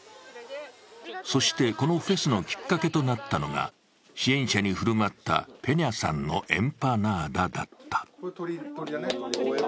そして、このフェスのきっかけとなったのが、支援者に振る舞ったペニャさんのエンパナーダだった。